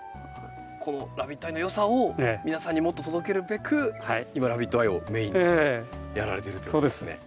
このラビットアイの良さを皆さんにもっと届けるべく今ラビットアイをメインにしてやられてるってことですね。